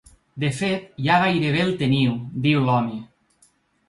De fet, ja gairebé el teniu, diu l’home.